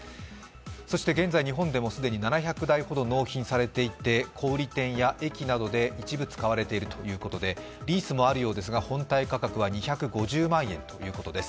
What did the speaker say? そして現在日本でも既に７００台ほど納品されていて小売店や駅などで一部使われているということでリースもあるようですが、本体価格は２５０万円ということです。